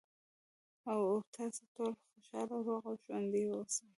، او تاسې ټول خوشاله، روغ او ژوندي اوسئ.